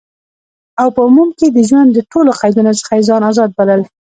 او په عموم کی د ژوند د ټولو قیدونو څخه یی ځان آزاد بلل،